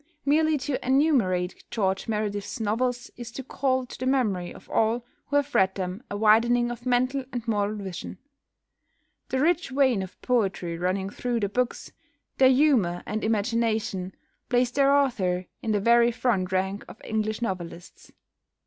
Merely to enumerate George Meredith's novels is to call to the memory of all who have read them a widening of mental and moral vision. The rich vein of poetry running through the books, their humour and imagination, place their author in the very front rank of English novelists.